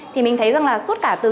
thì mình thấy rằng là suốt cả từ